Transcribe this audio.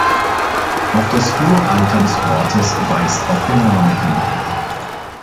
Auf das hohe Alter des Ortes weist auch der Name hin.